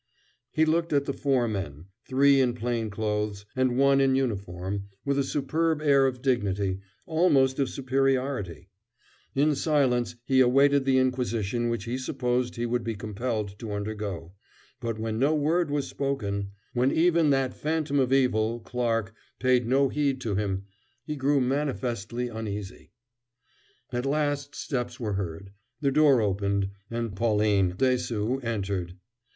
He looked at the four men, three in plain clothes and one in uniform, with a superb air of dignity, almost of superiority; in silence he awaited the inquisition which he supposed he would be compelled to undergo, but when no word was spoken when even that phantom of evil, Clarke, paid no heed to him, he grew manifestly uneasy. At last steps were heard, the door opened, and Pauline Dessaulx entered.